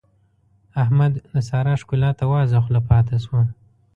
احمد د سارا ښکلا ته وازه خوله پاته شو.